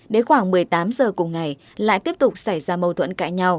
đến khoảng một mươi tám giờ cùng ngày lại tiếp tục xảy ra mâu thuẫn cãi nhau